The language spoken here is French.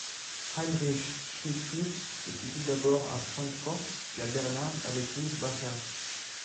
Heinrich Schlusnus étudie d'abord à Francfort, puis à Berlin avec Louis Bacher.